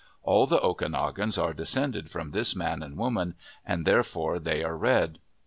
All the Okanogans are descended from this man and woman, and therefore they are red.